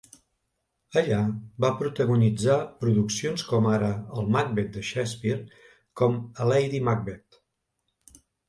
Allà va protagonitzar produccions com ara el Macbeth de Shakespeare, com a Lady Macbeth.